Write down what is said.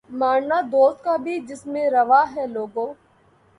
مارنا دوست کا بھی جس میں روا ہے لوگو